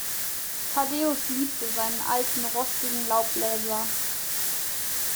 Thaddäus liebte seinen alten, rostigen Laubbläser.